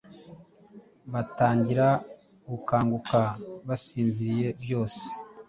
Batangira gukanguka basinziriye Byose.